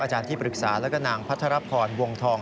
อาจารย์ที่ปรึกษาแล้วก็นางพัฒนาพรวงทอง